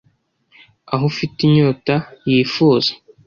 aho ufite inyota yifuza